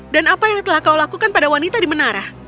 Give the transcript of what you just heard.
dan apa yang telah kau lakukan pada wanita di menara